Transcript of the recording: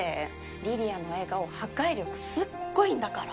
梨里杏の笑顔破壊力すっごいんだから。